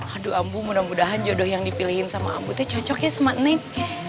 aduh ambu mudah mudahan jodoh yang dipilihin sama ambu teh cocok ya sama neng